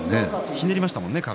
ひねりましたものね、体。